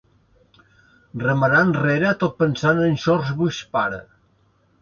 Remarà enrere tot pensant en George Bush pare.